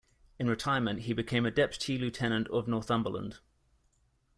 In retirement he became a Deputy Lieutenant of Northumberland.